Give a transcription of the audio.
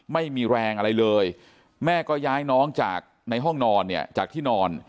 ไม่มีแรงอะไรเลยแม่ก็ย้ายน้องจากในห้องนอนเนี่ยจากที่นอน